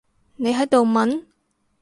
你喺度問？